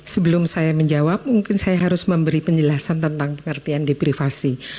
sebelum saya menjawab mungkin saya harus memberi penjelasan tentang pengertian depresi